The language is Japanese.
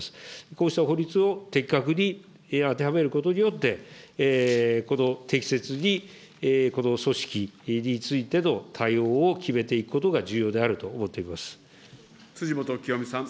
こうした法律を的確に当てはめることによって、この適切にこの組織についての対応を決めていくことが重要である辻元清美さん。